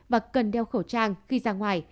và cần đeo khẩu trang khi ra ngoài